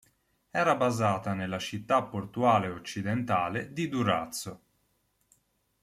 Era basata nella città portuale occidentale di Durazzo.